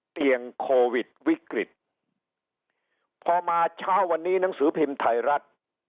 โควิดวิกฤตพอมาเช้าวันนี้หนังสือพิมพ์ไทยรัฐ